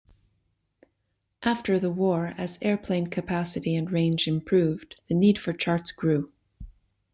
After the war, as airplane capacity and range improved, the need for charts grew.